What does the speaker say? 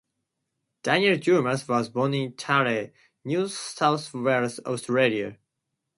Daniel Dumas was born in Taree, New South Wales, Australia.